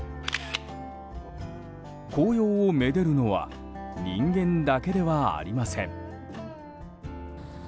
紅葉を愛でるのは人間だけではありません。